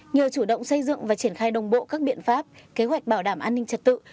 nhờ chủ động xây dựng và triển khai đồng bộ các biện pháp kế hoạch bảo đảm an ninh trật tự